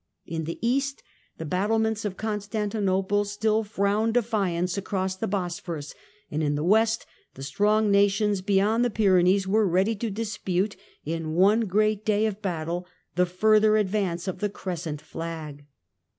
In the east the battlements of Constantinople still frowned defiance across the Bos phorus, and in the west the strong nations beyond the Pyrenees were ready to dispute, in one great day of battle, the further advance of the crescent flag.